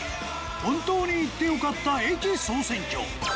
『本当に行ってよかった駅総選挙』。